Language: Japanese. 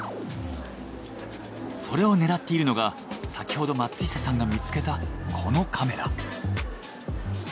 それを狙っているのが先ほど松下さんが見つけたこのカメラ。